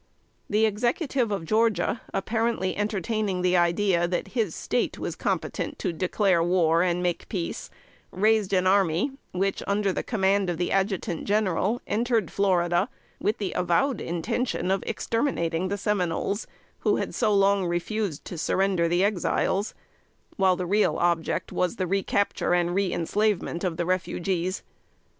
[Sidenote: 1812.] The Executive of Georgia, apparently entertaining the idea that his State was competent to declare war and make peace, raised an army, which, under the command of the Adjutant General, entered Florida with the avowed intention of exterminating the Seminoles, who had so long refused to surrender the Exiles; while the real object was the recapture and reënslavement of the refugees.